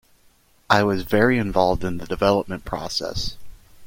I was very involved in the development process.